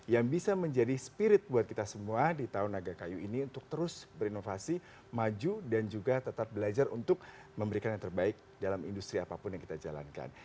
dan bisa menjadi spirit buat kita semua di tahun naga kayu ini untuk terus berinovasi maju dan juga tetap belajar untuk memberikan yang terbaik dalam industri apapun yang kita jalankan